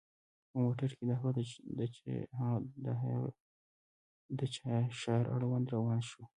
په موټر کې د هه چه ښار اړوند روان شوو.